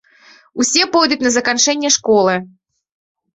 Усе пойдуць на заканчэнне школы.